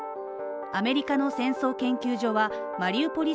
アメリカの戦争研究所はマリウポリ